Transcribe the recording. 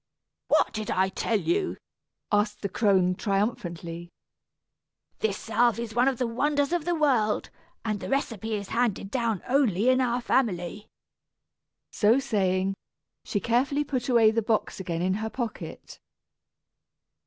"What did I tell you?" asked the crone, triumphantly. "This salve is one of the wonders of the world, and the recipe is handed down only in our family." So saying, she carefully put away the box again in her pocket.